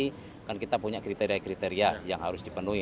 bahkan kita punya kriteria kriteria yang harus dipenuhi